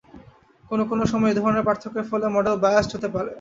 কোন কোন সময় এধরনের পার্থক্যের ফলে মডেল বায়াসড হতে পারে।